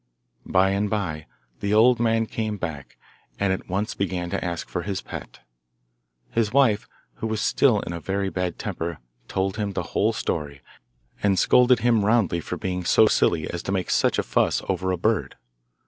By and bye the old man came back, and at once began to ask for his pet. His wife, who was still in a very bad temper, told him the whole story, and scolded him roundly for being so silly as to make such a fuss over a bird.